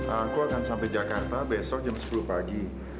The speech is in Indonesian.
aku akan sampai jakarta besok jam sepuluh pagi